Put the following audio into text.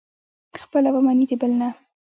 خپله ومني، د بل نه.